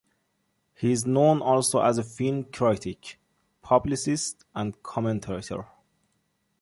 He is known also as a film critic, publicist and commentator.